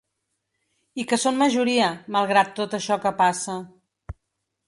I que són majoria, malgrat tot això que passa.